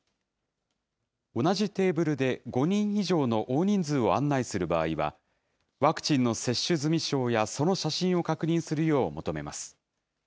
同じテーブルで５人以上の大人数を案内する場合は、ワクチンの接種済証やその写真を確認するよう求めます。